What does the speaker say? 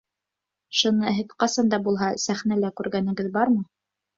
Ш.-ны һеҙ ҡасан да булһа сәхнәлә күргәнегеҙ бармы?